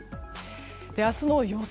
明日の予想